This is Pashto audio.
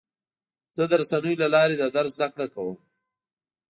زه د رسنیو له لارې د درس زده کړه کوم.